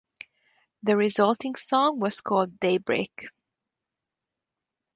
The resulting song was called "Daybreak".